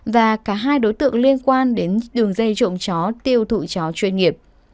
và cả hai đối tượng liên quan đến đường dây trộm chó tiêu thụ chó chuyên nghiệp